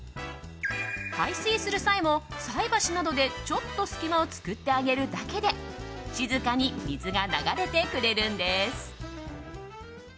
排水する際も、菜箸などでちょっと隙間を作ってあげるだけで静かに水が流れてくれるんです。